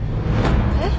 えっ？